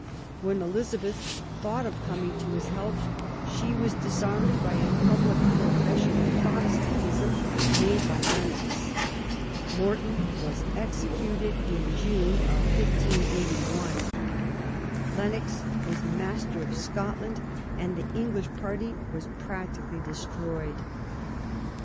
When Elizabeth thought of coming to his help, she was disarmed by a public profession of Protestantism made by Lennox. Morton was executed in June, 1581 ; Lennox was master of Scotland, and the English party was THE ALENgON MARRIAGE, rgj practically destroyed.